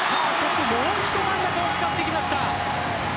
もう一度真ん中を使ってきました。